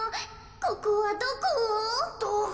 ここはどこ？